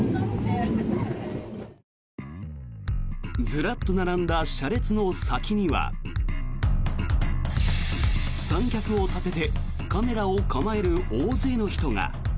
ずらっと並んだ車列の先には三脚を立ててカメラを構える大勢の人が。